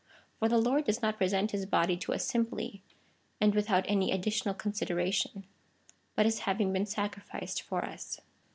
For the Lord does not present his body to us simply, and without any additional considera tion, but as having been sacrificed for us.